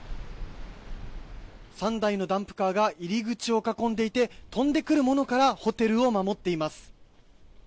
３台のダンプカーが入り口を囲んでいて飛んでくるものからホテルを守っています。